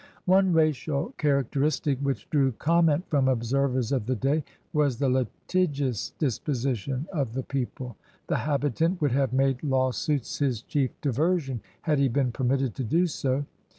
One racial characteristic which drew comm^it from observers of the day was the litigious dispo sition of the people. The habitant would have made lawsuits his chief diversion had he been permitted to do so.